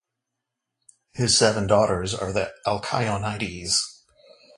His seven daughters are the Alkyonides.